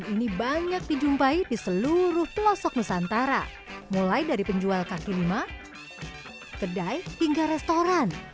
ini banyak dijumpai di seluruh pelosok nusantara mulai dari penjual kaki lima kedai hingga restoran